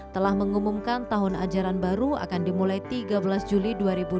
telah mengumumkan tahun ajaran baru akan dimulai tiga belas juli dua ribu dua puluh